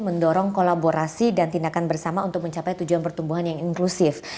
mendorong kolaborasi dan tindakan bersama untuk mencapai tujuan pertumbuhan yang inklusif